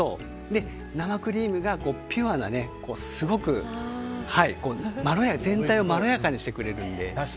で、生クリームがピュアなすごく全体をまろやかにしてくれるので。